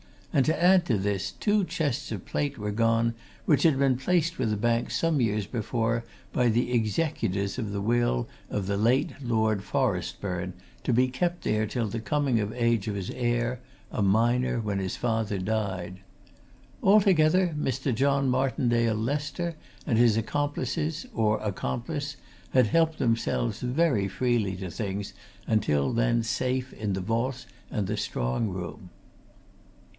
And, to add to this, two chests of plate were gone which had been placed with the bank some years before by the executors of the will of the late Lord Forestburne, to be kept there till the coming of age of his heir, a minor when his father died. Altogether, Mr. John Martindale Lester and his accomplices, or accomplice, had helped themselves very freely to things until then safe in the vaults and strong room."